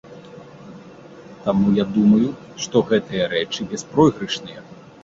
Таму я думаю, што гэтыя рэчы бяспройгрышныя.